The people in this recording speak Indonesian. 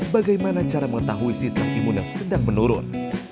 bagaimana cara mengetahui sistem imun yang sedang menurun